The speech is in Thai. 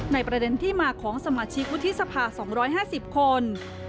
ประเด็นที่มาของสมาชิกวุฒิสภา๒๕๐คน